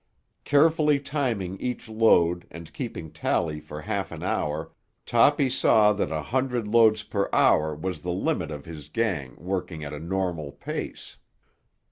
Carefully timing each load and keeping tally for half an hour, Toppy saw that a hundred loads per hour was the limit of his gang working at a normal pace.